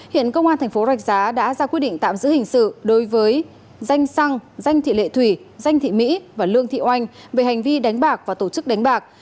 hiện công an thành phố rạch giá đã ra quyết định tạm giữ hình sự đối với danh xăng danh thị lệ thủy danh thị mỹ và lương thị oanh về hành vi đánh bạc và tổ chức đánh bạc